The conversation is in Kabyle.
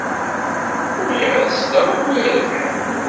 Bɣiɣ ad sleɣ anwa irebḥen.